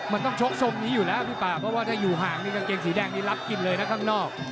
มันต้องชกทรงนี้อยู่แล้วพี่ป่าเพราะว่าถ้าอยู่ห่างนี่กางเกงสีแดงนี้รับกินเลยนะข้างนอก